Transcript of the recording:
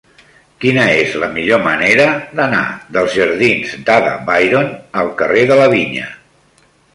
Quina és la millor manera d'anar dels jardins d'Ada Byron al carrer de la Vinya?